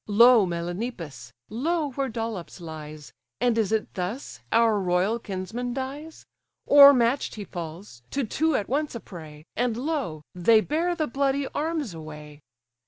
"Lo, Melanippus! lo, where Dolops lies; And is it thus our royal kinsman dies? O'ermatch'd he falls; to two at once a prey, And lo! they bear the bloody arms away!